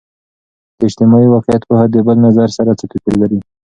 د اجتماعي واقعیت پوهه د بل نظر سره څه توپیر لري؟